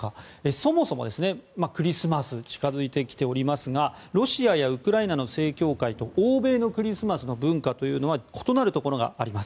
そもそも、クリスマスが近づいてきておりますがロシアやウクライナの正教会と欧米のクリスマスの文化は異なるところがあります。